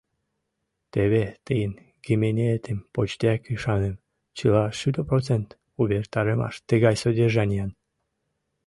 Теве тыйын «Гименеетым» почдеак ӱшанем, чыла шӱдӧ процент увертарымаш тыгай содержаниян.